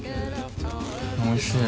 おいしい。